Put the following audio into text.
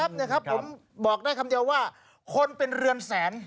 ผมบอกได้คำเดียวว่าคนเป็นเรือนแสน